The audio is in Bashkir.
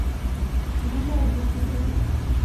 Ейәндәребеҙ ҙә тыуыр.